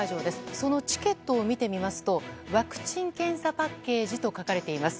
そのチケットを見てみますとワクチン・検査パッケージと書かれています。